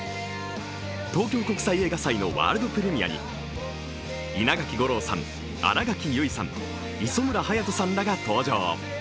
東京国際映画祭のワールドプレミアに稲垣吾郎さん、新垣結衣さん、磯村勇斗さんらが登場。